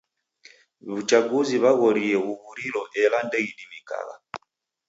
W'uchaguzi w'aghorie ghuw'uriloela ndeidimikagha.